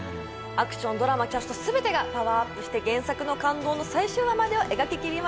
アクションドラマキャスト全てがパワーアップして原作の感動の最終話までを描ききりました。